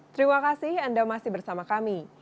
terima kasih anda masih bersama kami